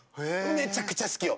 めちゃくちゃ好きよ。